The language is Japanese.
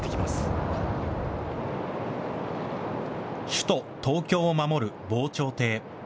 首都・東京を守る防潮堤。